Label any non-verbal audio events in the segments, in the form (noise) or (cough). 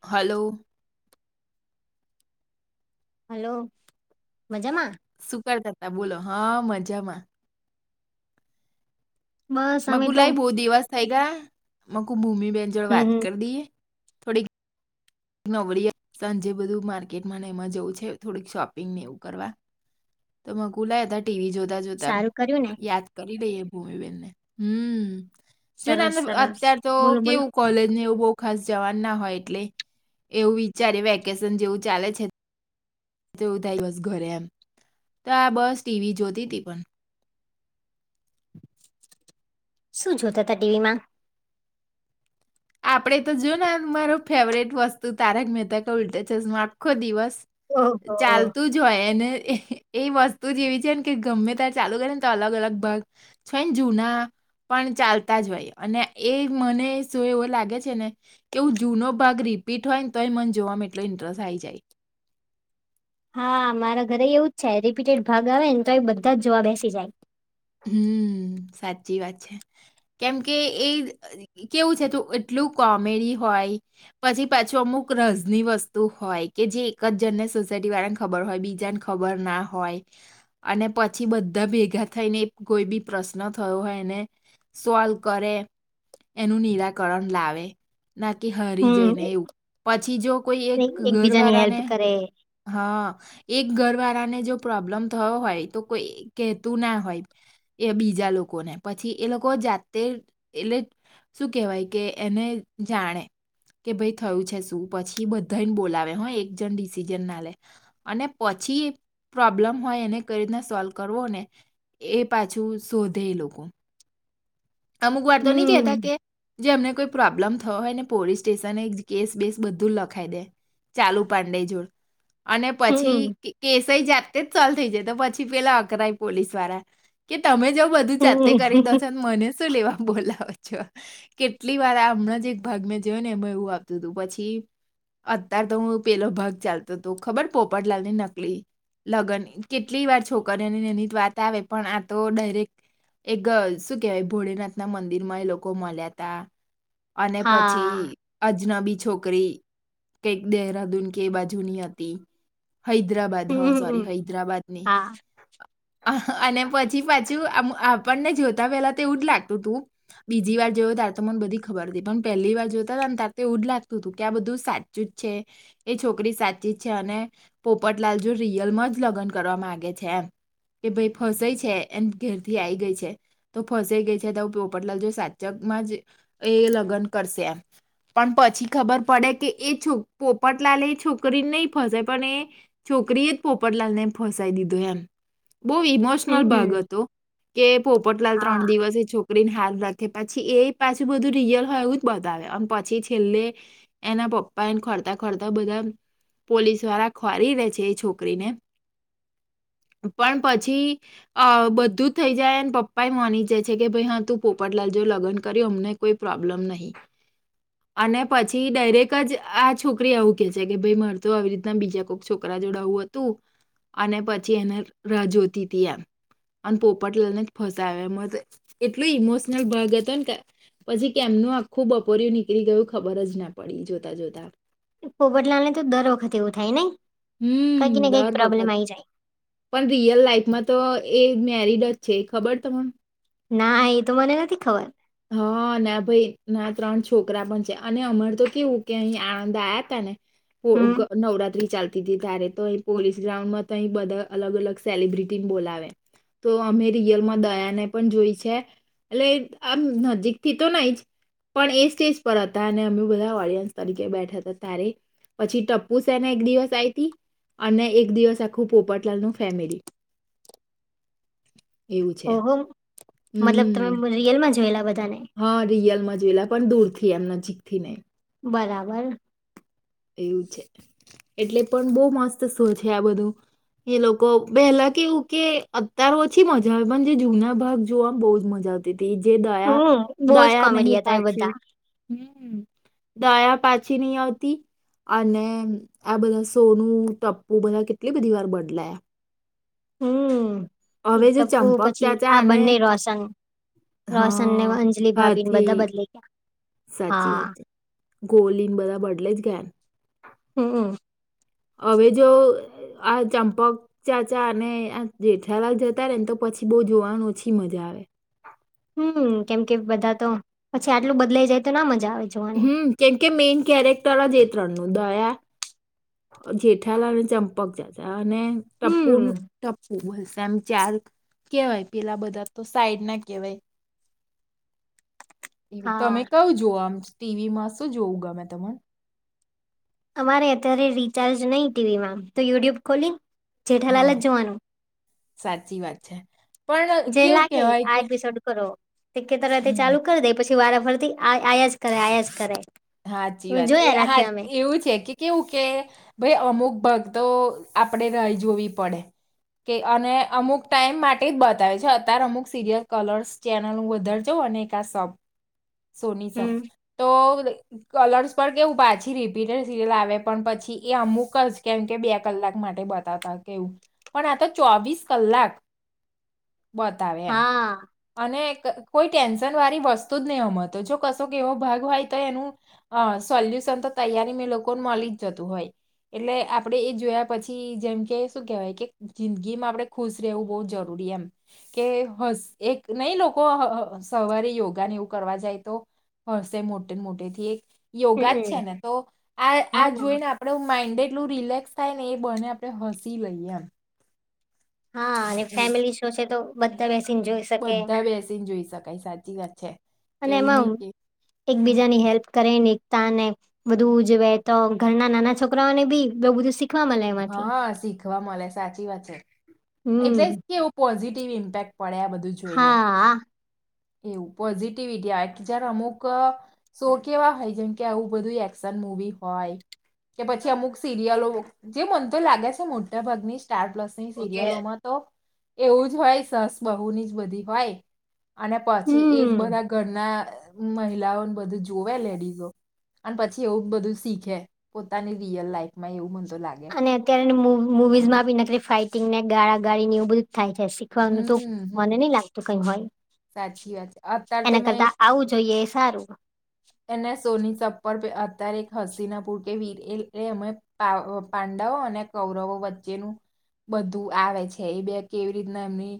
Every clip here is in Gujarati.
હલો હલો મજામાં સુકારતા હતા બોલો હા મજામાં બસ અમે મકુ તો લાઈ બહુ દિવસ થઈ ગયા મકુ ભૂમિ બેેનજડ હમ વાત હમ કરી દઈએ નબળી સાંજે બધું માર્કેટમાં એમાં જેવું છે થોડીક શોપિંગ ને એવું કરવા તો મ ગુલા ટીવી જોતા જોતા સારું કર્યું ને યાદ કરી દઈએ ભૂમિબેનને હમ જો સરસ નાને સરસ અત્યાર તો બોલો બોલો કેવું કોલેજ ને એવું બહુ ખાસ જવાનું ના હોય એટલે એવું વિચારે વેકેશન જેવું ચાલે છે. આ બસ ઘરે એમ તો આ બસ ટીવી જોતી હતીી પણ શું જોતા હતા ટીવી માં આપડે તો જોય ને મારો ફેવરેટ વસ્તુ તારક મહેતા કે ઉલટેા ચશો આખો દિવસ ઓહો ચાલતું જ જોય ને એ વસ્તુ જ એવી છે ને કે ગમે ત્યારે ચાલુ કરે ને તો અલગ અલગ ભાગ છય ને જૂના પણ ચાલતા જ હોય અને એ મને શું એ હોય લાગે છે ને કે હું જૂનો ભાગ રીપીટ હોય ને તો એ મન જોવામાં એટલો ઇન્ટરેસ્ટ આઈ જાય હા મારા ઘરે એવું જ છે રિપિટેડ ભાગ આવે ને તો એ બધા જ જોવા બેસી જાય હમ સાચી વાત છે કેમ કે એ કેવું છે તું એટલું કોમેડી હોય પછી પાછું અમુક રસની વસ્તુ હોય કે જે એક જ જણને સોસાયટી વાળા બર હોય બીજાને ખબર ના હોય અને પછી બધા ભેગા થઈને કોઈ બી પ્રશ્ન થયો હોય એને સોલ્વ કરે એનું નિરાકરણ લાવે નાકી હારી હમ જાય ને એવું પછી જો કોઈ એક ઘર એકબીજાની હેલ્પ વાળાને કરે હા એક ઘર વાળાને જો પ્રોબ્લેમ થયો હોય તો કોઈ કહેતું ના હોય એ બીજા લોકો ને પછી એ લોકો જાતે એટલે શું કહેવાય કે એને જાણે કે ભાઈ થયું છે શું પછી બધાને બોલાવે હ એક જણ ડિસિજન ના લે અને પછી પ્રોબ્લેમ હોય એને કઈ રીતના સોલ્વ કરવો ને એ પાછું શોધે એ લોકો અમુક વાર તો નઈ કેતા હમ કે જે એમને કોઈ પ્રોબ્લમ થયો હોય ને પોલીસ સ્ટેશન કેસ બેસ બધું લખાઈ દે ચાલુ પાંડે જોોડ અને પછી હમ કેસય જાતે જ સોલ્વ થઈ જાય તો પછી પેલા અકરાય પોલીસ વાળા કે તમે જો બધું જાતે કરી દો હમ છો મને શું લેવા બોલા અચ્છા કેટલી વાર હમણાં જ એક ભાગ મેં જોયો ને એમાં એવું આપતું હતું પછી અત્યાર તો હું પેલો ભાગ ચાલતો હતો ખબર પોપટલાલ ની નકલી લગ્ન કેટલી વાર છોકરીઓની એની વાત આવે પણ આ તો ડાયરેક્ટ એક શું કેહેવાય ભોલેનાથ ના મંદિર માં એ લોકો મળ્યા ત અને પછી હા આજના બી છોકરી કઈક દહરાદૂન કે એ બાજુની હતી હૈદરાબાદ હા સોરી હમ હૈદરાબાદની હા અહ, અને પછી પાછું આપણને જોતા પેલા તે એવું જ લાગતું તું બીજી વાર જોયો તારે તો મને બધી ખબર હતી પણ પહેલી વાર જોતા ત ને તાર તો એવું જ લાગતું હતું કે આ બધું સાચ જુત છે એ છોકરી સાચી જ છે અને પોપટલાલ જો રિયલમાં જ લગ્ન કરવા માગે છે એમ કે ભાઈ ફસાય છે એમ ઘેરથી આઈ ગઈ છે તો ફસે ગઈ છે તો પોપટલાલ જો સાચકમાં જ એ લગ્ન કરશે એમ પણ પછી ખબર પડે કે એ છો પોપટલાલે એ છોકરી નહી ફસે પણ એ છોકરીએ જ પોપટલાલ ને ફસાઈ દીધો એમ બહુ હમ ઈમોશનલ ભાગ હમ હતો કે પોપટલાલ ત્રણ હા દિવસ છો સ્કન હાર લખે પછી એ પાછું બધું રિયલ હોય એવું જ બતાવે પછી છેલ્લે એના પપ્પા એને ખોરતા ખોરતા બધા પોલીસ વાળા ખોરી દે છે એ છોકરીને પણ પછી અ બધું જ થઈ જાયને પપ્પા એ માની જે છે કે ભાઈ હા તું પોપટલાલ જો લગન્યું અમને કોઈ પ્રોબ્લમ નહી અને પછી ડાયરેક્ટ જ આ છોકરી એવું કે છે કે ભાઈ મારે તો આવી રીતના બીજા કોઈક છોકરા જોડાવુંત તું અને પછી એને રોતી તય અને પોપટ લને ફસાવે એ એટલું ઇમોશનલ ભળગ હતો પછી કેમનું આખું બપોરું નીકળી ગયું ખબર જ ના પડી જોતા જોતા પોવટલા ને તો દર વખત એવું થાય નને હમ કઈક ને કંઈક દર પ્રોબ્લેમ વખત આવી જાય પણ રિયલ લાાઈફમાં તો એ મેરિડ જ છે ખબર તને ના એ તો મને નથી ખબર હા ના ભાઈ ના ત્રણ છોકરા પણ છે અને અમાર તો કેવું કે અહીં આણંદ આવ્યા હતા ને હમ નવરાત્રી ચાલતા ત્યારે તો અહી પોલીસ ગ્રાઉન્ડ માં તો અહી બધા અલગ અલ સેલિબ્રિટી બોલાવે તો અમે રિયલમાં દયાને પણ જોઈ છે એટલે આમ નજીકથી તો નહી જ પણ એ સ્ટેજ પર હતા અને અમે બધા ઓડિયન્સ તરીકે બેઠા હતા તારે પછી ટપ્પુ સેને એક દિવસ આતી અને એક દિવસ આખું પોપટલાલ નું ફેમિલી (inaudible) એવું છે ઓહો મતલબ હમ તમે રિયલમાં જોયેલા બધાને હા રિયલમાં જોવેલા પણ દૂર થી એમ નજીક થી ને બરાબર એવું છે એટલે પણ બહુ મસ્ત શો છે આ બધું એ લોકો પહેલા કેવું કે અતાર ઓછી મજા આવે પણ જે જુના ભાગ જોવા બહુ જ મજા આવે જે દયા હમ બહુ જ દયા કોમેડી નહીિ હતા એ પાછી બધા હમ દયા પાછી નહી આવતી અને આ બધા સોનું ટપ્પુ બધા કેટલી બધી વાર બદલાયા હમ એ હવે જે ટપ્પુ ચંપક પછી ચાચા આ અને બંને રોશન રોશન ને હા અંજલલી ભાભીને બધા હાથી બદલા ગયા હા ગોલીંગ બધા બડલે જ ઘયાન હમ હ હવે જો આ ચંપક ચા ચા અને આ જેઠાલાલ જતા રે ને તો પછી બહુ જોવાનું ઓછી મજા આવે હમ કેમ કે બધા તો પછી આટલું બદલાઈ જાય તો ના મજા આવે જોવાની હમ કેમ કે મેઈઇન કેરેક્ટર જ ત્રણનુંું દયા જેઠાલા અને ચંપક જાજા અને ટપુર હમ ટપ્પુ ભલશે આમ ચાર કેવાય પેલા બધા તો સાઈડ ના કહેવાય એવું હા તમે કયો જોવ આમ ટીવીમાં શું જોવું ગમે તને અમારે અત્યારે રીચાર્જ નહી ટીવી મ તો યુટ્યુબ ખોલી જેઠાલાલ હા જ જોવાનું સાચી વાત છે પણ કેવું કેવાય કે ડ કરો કે તર તે હમ ચાલુ કરી દે પછી વારા ફરતી આયા જ કરે આયા જ કરે સાચી તો વાત એ જોયા હા રાખીએ અમે એવું છે કે કેવું કે ભાઈ અમુક ભક્તો આપડે નહી જોવી પડે કે અને અમુક ટાઈમ માટે જ બતાવે છે અતાર અમુક સિરિયલ કલર્સ ચેનલ હું વધારજઉ અને એક આ સબ સોની સબ હમ તો કલર્સ પર કેવું પાછી રિપીટેડ સિરિયલ આવે પણ પછી એ અમુક જ કેમ કે બે કલાક માટે બતાવ કેવું પણ આ ચોવીસ કલાક બ હા કો ટેન્ન વાળ વસ્તુ નહીંમ તો જો કશો કેવો ભાગ હોય તો એનું અ સોલ્યુશન તો તૈયારી મે લોકોને મળી જ જતું હોય એટલે આપડે એ જોયા પછી જેમ કે શું કેહેવાય કે જિંદગીમાં આપણે ખુશ રહેવું બહુ જરૂરી એમ કે હસ એક નહી લોકો હ સવારે યોગાને એવું કરવા જાય તો હશે મોટે મોટે થી એક યોગા જ છે હમ ને તો આ હા આ જોઈને આપણેું માઇન્ડ એટલું રિલેક્સ થાય ને એ બને આપણે હસી લઈએ એમ હા અને એવું. ફેમિલી શો છે તો બધા બેસીને જોઈ શકે બધા બેસીને જોઈ શકાય સાચી વાત છે અને એવું એમાં નહીં કે હમ એકબીજાની હેલ્પ કરેને ને બધુંજવે તો ઘરના નાના છોકરાઓને બી બ બધુંીખ હા શીખવા મળે સાચી વાત છે એટલે હમ કે એવું પોઝિટિવ ઇમ્પેક્ટ પડે આ બધું જોઈને હા એવું પોઝિટિવિટી આ કે જયારે અમુક શો કેવા હોય જગ્યા કે આવું બધું એક્શન મુવી હોય કે પછી અમુક સિરિયલો જે મન તો લાગે છે મોટાભાગની સ્ટાર પ્લસ સીરિયલોમાં તો એવું જ હોય સરસ બહુની જ બધી હોય અને પછી એજ હમ બધા ઘરના મહિલાઓને બધું જોવે લેડીઝો અને પછી એવું બધું શીખે પોતાની રીયલ લાઈફ માં એવું મન તો લાગે અને અત્ય્યારે ન મુ મુ મુવીઝ માં બી નકરી ફાાઈટિંગ ને ગાળા ગાળ નેવું બધું જ થાય શે ફ હમ નુ તો હમ મને નહી લાગતું કઈ હોય સાચી વાત છે અત્યારે તો એના મેં એક કરતા આવું જોઈએ એ સારું એને સોની ચપ્પર અત્યારે એક હસ્તીના પુર કે વીર એ અમે પાંડવો અને કૌરવો વચ્ચેનું બધું આવે છે એ બે કેવી રીતના એમની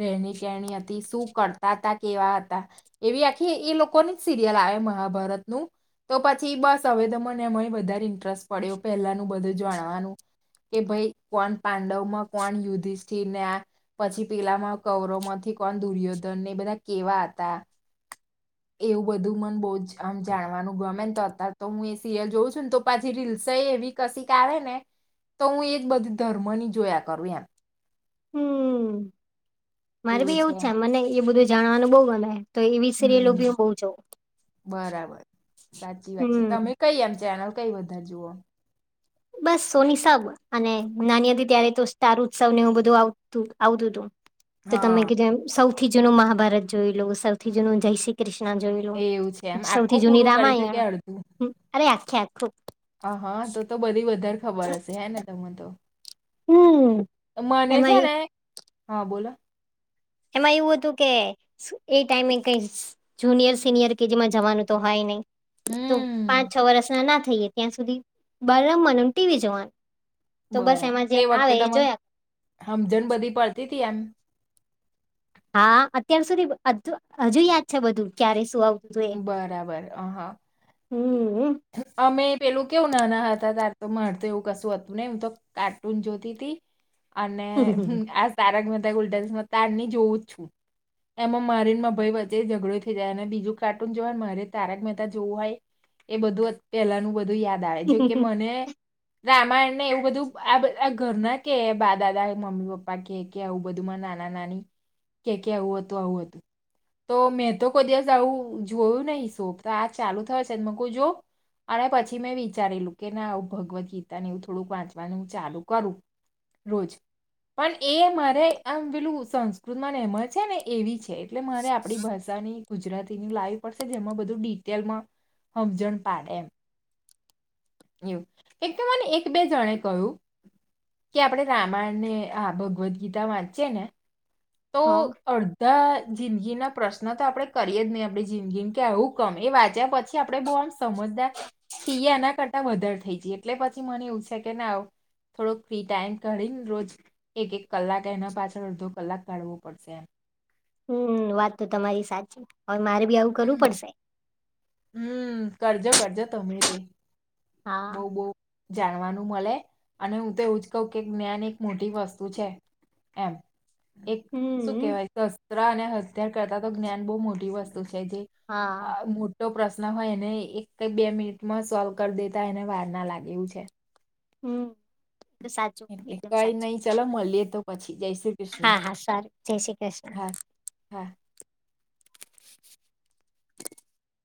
રહેણી કેણી હતી શું કરતા હતા કેવા હતા એવી આખી એ લોકોની જ સિરિયલ આવે મહાભારતનું તો પછી બસ હવે તો મને એમાં વધારે ઇન્ટરેસ્ટ પડ્યો પહેલાનું બધું જાણવાનું કે ભાઈ કોણ પાંડવ માં કોણ યુધિષ્ઠિ ને આ પછી પેલામાં કવરો માંથી કોણ દુર્યોધન ને બધા કેવા હતા એવું બધું મને બહુ જ આમ જાણવાનું ગમે ને તો અત્યારે તો હું એ સિરિયલ જોઉં છું ને તો પાછી રીલ્સય એવી કશ ક આવે ને તો હું એ બધું ધર્મ ની જોયા કરું એમ હમ્મ મારે બી એવું છે મને એ બધું જાણવાનું બહુ ગમે તો એવી સિરિયલો બી હમ હું બઉ જોઉં બરાબર સાચી વાત છે હમ્મ તમે કઈ એમ ચેનલ કઈ વધા જુઓ બસ સોની સબ અને નાની હતી ત્યારે તો સ્ટાર ઉત્સવને હું બધું આવતું આવતું હતું તો તમે હા કીધું એમ સૌથી જૂનું મહાભારત જોઈ લો સૌથી જૂનું જય શ્રી ક્રષ્ણ જોયલૂ એવું છે એમ આખું સૌથી જૂની પૂરું કરી તો કે રામાયણ અરે આખે આખું હ હા તો તો બધી વધારે ખબર હશે હે ને તમે તો હમ મને છે એમાં એ ને હા બોલો એમાં એવું હતું કે એ ટાઈમે કઈ જુનિયર સિનિયર કેજી માં જવાનું તો હોય નહી તો પાંચ હમ છ વરષ ના ના થઈ ત્યાં સુધી બ રમમનુંમ ટીવી જોવાનું તો બસ એમાં જે આવે એ જોયા હમજણ બધી પડતી તી એમ હા અત્યાર સુધી હજુ યાદ છે બધું ક્યારે શું આવતું બરાબર અ હ. હમ્મ અમે પેલું કેવું નાના હતા તારે તો મળતો એવું કશું હતું ને હું તો કાર્ટૂન જોતી હતી અને હમ્મ આસ તારક મેહતા કા ઉલટા ચશ્મ તાર ની જોઉં છ એમાં મારીને માર ભય વચે ઝડો થઈ જાય અને બીજું કાર્ટૂન જોવા મારે તારક મહેતા જોવું હોય એ બધું પહેલાનું બધું યાદ આવે જોકે મને રામાયણ ને એવું બધું આ ઘરના કે દાદા મમ્મી પપ્પા કે કે આવું બધુંમાં નાના નાની કે કે આવું હતું આવું હતું. તો મેં તો કોઈ દિવસ આવું જોયું નહીં શો તો આ ચાલુ થયો છે મક જોવ અને પછી મેં વિચારેલું કે ના આવ ભગવદ્ ગીતાને એવું થોડુંક વાંચવાનું હું ચાલુ કરું. રોજ પણ એ મારે આમ પેલું સંસ્કૃતમાં ને એમ છે ને એવી છે. એટલે મારે આપણી ભાષાની ગુજરાતીની લાઈવ પડશે જેમાં બધું ડિટેલમાં હમજન પાડે એમ એવું એક તો મને એક બે જણે કહ્યું કે આપણેે રામાયણ ને હ ભગવદ્ ગીતા વાંચીએ ને તો હા અડધા જિંદગીના પ્રશ્ન તો આપડણે કરીએ જ નહી આપણી જિંદગીને કે આવું કમ એ વાંચ્યા પછી આપડે બહુ આમ સમજદાર છીએ એના કરતા વધાર થઈ જઈએ એટલે પછી મને એવું છે કે ના અવ થોડોક ફ્રી ટાઈમ કાઢી ન રોજ એક એક કલાક એના પાછળ અડધો કલાક કાઢવો પડશે એમ. હમ વાત તો તમારી સાચી હવે મારે બી આવું કરવું હમ પડશે હમ કરજો કરજો તમે તે હા બોવ બોવ જાણવાનું મલે અને હું તો એવું જ કવ કે જ્ઞાન એક મોટી વસ્તુ છે. એમ. એક શું હમ કેહવાય શસ્ત્ર અને હત્યાર કરતા તો જ્ઞાન બોવ મોટી વસ્તુ છે જે હા. અ મોટો પ્રશ્ન હોય એને એક કે બે મિનિટમાં સોલ્વ કરી દેતા એને વારના લાગે એવું છે. હમ. સાચું એટલે એકદમ કઈ નય સાચું ચલો મલીએ તો પછી જય શ્રી કૃષ્ણ હા હા સારું જય શ્રી કૃષ્ણ. હા હા.